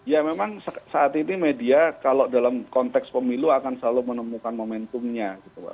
ya memang saat ini media kalau dalam konteks pemilu akan selalu menemukan momentumnya gitu pak